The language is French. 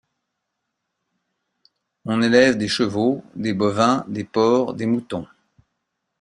On élève des chevaux, des bovins, des porcs, des moutons.